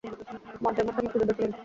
মোয়াজ্জেম হোসেন মুক্তিযুদ্ধা ছিলেন।